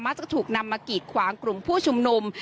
จะถูกนำมากีดขวางกลุ่มผู้ชุมนุม